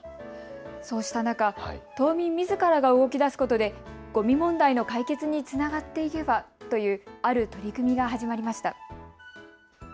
そうした中、島民みずからが動きだすことでごみ問題の解決につながっていけばというある取り組みが始まりました。